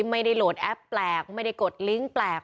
ไม่ได้โหลดแอปแปลกไม่ได้กดลิงก์แปลก